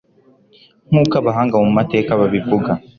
nk'uko abahanga mu mateka babivuga